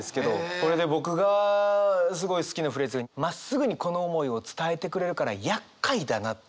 これで僕がすごい好きなフレーズが「まっすぐにこの想いを伝えてくれるから厄介だな」っていうのが。